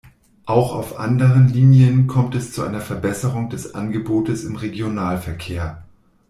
Auch auf anderen Linien kommt es zu einer Verbesserung des Angebotes im Regionalverkehr.